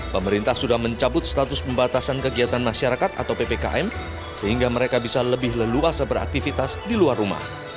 pemerintah sudah mencabut status pembatasan kegiatan masyarakat atau ppkm sehingga mereka bisa lebih leluasa beraktivitas di luar rumah